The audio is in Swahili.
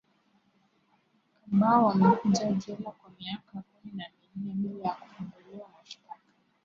ambao wamekuwa jela kwa miaka kumi na minne bila ya kufunguliwa mashtaka